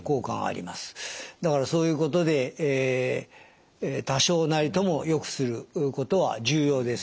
だからそういうことで多少なりともよくすることは重要です。